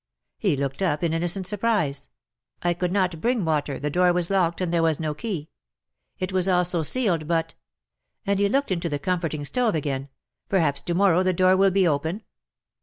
He looked up in innocent surprise. " 1 could not bring water, the door was locked and there was no key. It was also sealed, but" — and he looked into the comforting stove again —" perhaps to morrow the door will be open."